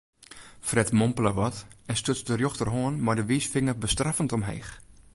Fred mompele wat en stuts de rjochterhân mei de wiisfinger bestraffend omheech.